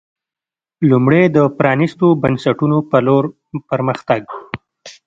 لومړی د پرانېستو بنسټونو په لور پر مخ تګ